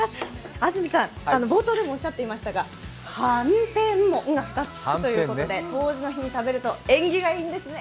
安住さん、冒頭でもおっしゃっていましたがはんぺんも２つ「ん」が２つ着くということで冬至の日に食べると縁起がいいんですね。